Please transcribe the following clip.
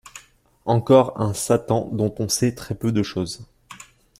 Encore un Satan dont on sait très peu de choses.